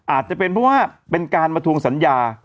อาจจะเป็นเพราะว่าเป็นการมาทวงสัญญา